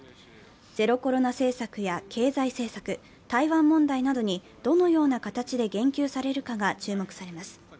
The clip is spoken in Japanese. ゼロコロナ政策や経済政策、台湾問題などに、どのような形で言及されるかが注目されます。